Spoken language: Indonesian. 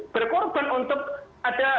berkorban untuk ada